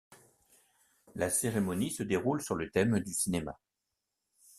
La cérémonie se déroule sur le thème du cinéma.